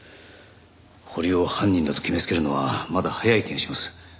堀尾を犯人だと決めつけるのはまだ早い気がします。